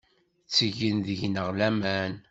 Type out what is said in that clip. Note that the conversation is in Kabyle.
Ttgen deg-neɣ laman.